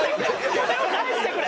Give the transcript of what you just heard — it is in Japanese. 金を返してくれ！